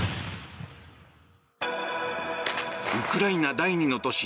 ウクライナ第２の都市